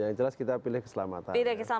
yang jelas kita pilih keselamatan